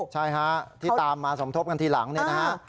ใช่ฮะที่ตามมาสมทบกันทีหลังเนี่ยนะฮะ